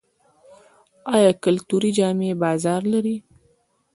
آیا کلتوري جامې بازار لري؟